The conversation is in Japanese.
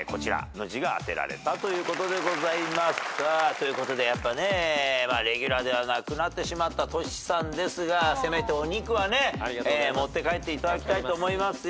ということでやっぱねレギュラーではなくなってしまったトシさんですがせめてお肉はね持って帰っていただきたいと思いますよ。